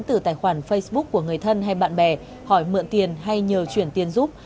từ tài khoản facebook của người thân hay bạn bè hỏi mượn tiền hay nhờ chuyển tiền giúp